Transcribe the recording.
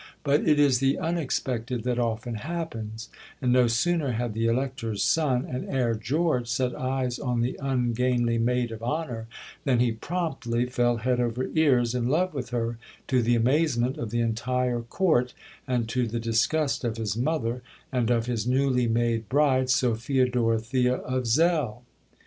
But it is the unexpected that often happens; and no sooner had the Elector's son and heir, George, set eyes on the ungainly maid of honour than he promptly fell head over ears in love with her, to the amazement of the entire Court, and to the disgust of his mother, and of his newly made bride, Sophia Dorothea of Zell.